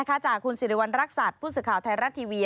ติดตามจากคุณสิริวัณรักษาธิ์พูดสุขข่าวไทยรัฐทีวี